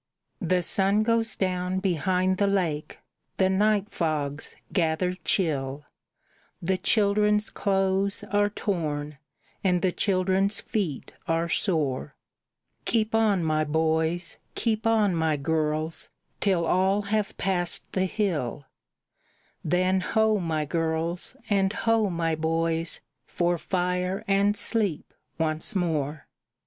The sun goes down behind the lake; the night fogs gather chill, The children's clothes are torn; and the children's feet are sore. "Keep on, my boys, keep on, my girls, till all have passed the hill; Then ho, my girls, and ho, my boys, for fire and sleep once more!"